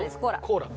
コーラ。